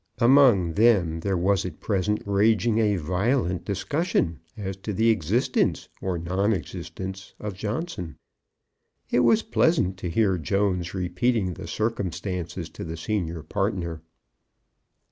Among them there was at present raging a violent discussion as to the existence or non existence of Johnson. It was pleasant to hear Jones repeating the circumstances to the senior partner.